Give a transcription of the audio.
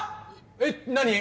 えっ何？